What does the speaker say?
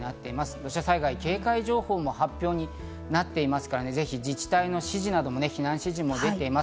土砂災害警戒情報も発表されているので、ぜひ自治体の指示など避難指示も出ています。